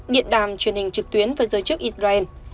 điện đàm truyền hình trực tuyến với giới chức israel